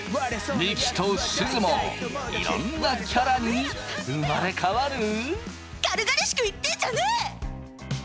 ミキとすずもいろんなキャラに生まれ変わる？